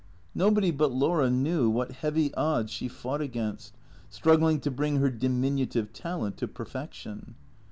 Nobody but Laura knew what heavy odds she fought against, struggling to bring her diminutive talent to perfection.